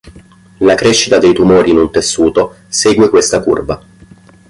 La crescita dei tumori in un tessuto segue questa curva.